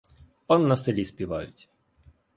Он на селі співають.